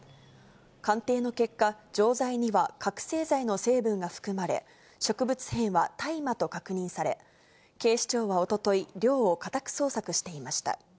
鑑定の結果、錠剤には覚醒剤の成分が含まれ、植物片は大麻と確認され、警視庁はおととい、寮を家宅捜索していました。